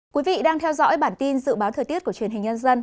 quý vị đang theo dõi bản tin dự báo thời tiết của truyền hình nhân dân